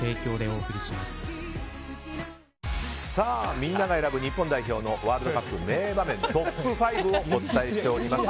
みんなが選ぶ日本代表のワールドカップ名場面トップ５をお伝えしております。